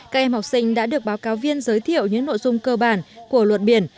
các em học sinh đã được báo cáo viên giới thiệu những nội dung cơ bản của luật biển